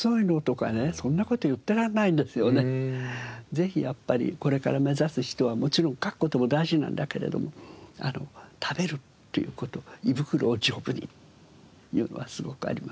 ぜひやっぱりこれから目指す人はもちろん書く事も大事なんだけれども食べるっていう事胃袋を丈夫にというのはすごくあります。